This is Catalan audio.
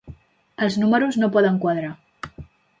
Els números no poden quadrar.